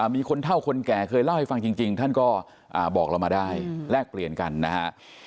มีคนเท่าคนแก่เคยเล่าให้ฟังจริงท่านก็บอกเรามาได้แลกเปลี่ยนกันนะฮะ